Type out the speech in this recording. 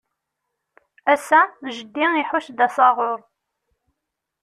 Ass-a, jeddi iḥucc-d asaɣur.